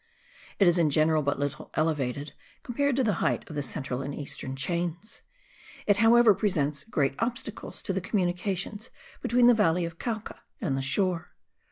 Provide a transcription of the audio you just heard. It is in general but little elevated, compared to the height of the central and eastern chains; it however presents great obstacles to the communications between the valley of Cauca and the shore.